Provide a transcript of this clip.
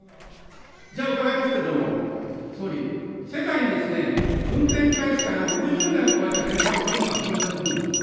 じゃあ、伺いますけれども、総理、世界に、運転開始から６０年を超えた原発っていうのは存在するんでしょうか。